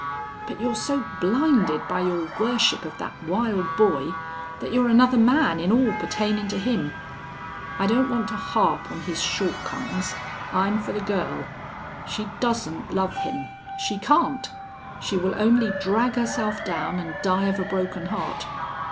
But you're so blinded by your worship of that wild boy that you're another man in all pertainin' to him. I don't want to harp on his short comm's. I'm for the girl. She doesn't love him. She can't. She will only drag herself down an' die of a broken heart....